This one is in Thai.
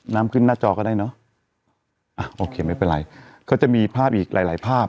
ขึ้นหน้าจอก็ได้เนอะอ่ะโอเคไม่เป็นไรก็จะมีภาพอีกหลายหลายภาพ